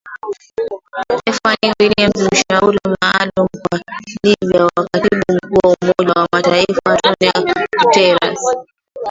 Stephanie Williams mshauri maalum kwa Libya wa katibu mkuu wa Umoja wa Mataifa Antonio Guterres,